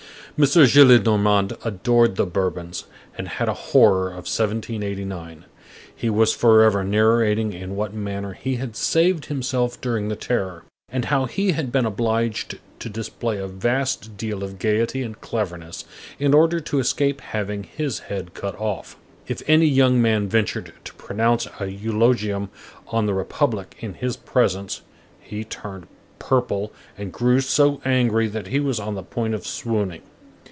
M. Gillenormand adored the Bourbons, and had a horror of 1789; he was forever narrating in what manner he had saved himself during the Terror, and how he had been obliged to display a vast deal of gayety and cleverness in order to escape having his head cut off. If any young man ventured to pronounce an eulogium on the Republic in his presence, he turned purple and grew so angry that he was on the point of swooning.